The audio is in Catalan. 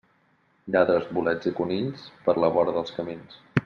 Lladres, bolets i conills, per la vora dels camins.